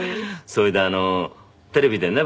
それでテレビでね